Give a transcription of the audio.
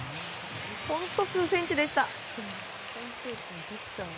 本当、数センチでした。